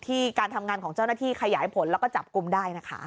การทำงานของเจ้าหน้าที่ขยายผลแล้วก็จับกลุ่มได้นะคะ